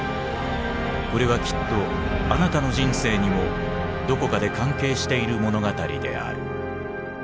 これはきっとあなたの人生にもどこかで関係している物語である。